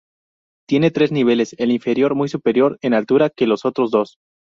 Tiene tres niveles, el inferior muy superior en altura que los otros dos.